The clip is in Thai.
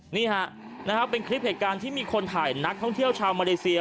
นี่ฮะนะครับเป็นคลิปเหตุการณ์ที่มีคนถ่ายนักท่องเที่ยวชาวมาเลเซีย